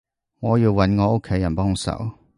我要揾我屋企人幫手